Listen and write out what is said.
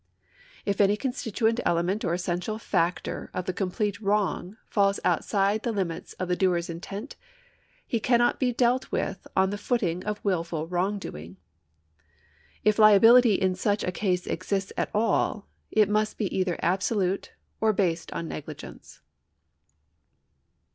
If any constituent element or essential factor of the complete wrong falls outside the limits of the doer's intent he cannot be dealt with on the footing of wilful wrongdoing. If liability in such a case exists at all, it must be either absolute or based on negligence.